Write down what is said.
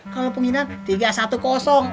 kalau penghinaan tiga ratus sepuluh